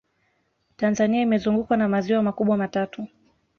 tanzania imezungukwa na maziwa makubwa matatu